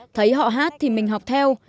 thấy họ hát thì mình học theo